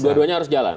dua duanya harus jalan